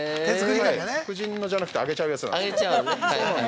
夫人のじゃなくてあげちゃうやつなんで。